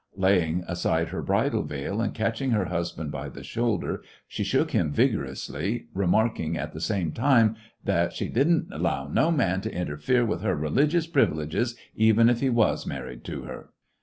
Laying aside her bridal veil and catching her husband by the shoulder, she shook him vigorously, re marking at the same time that she ^^did n't allow no man to interfere with her religious privileges, even if he was married to her